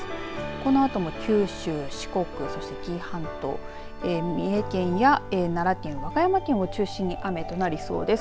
このあとも九州四国そして紀伊半島三重県や奈良県和歌山県を中心に雨となりそうです。